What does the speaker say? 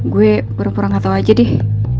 gue pura pura nggak tahu aja deh